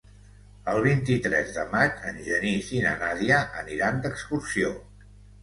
El vint-i-tres de maig en Genís i na Nàdia aniran d'excursió.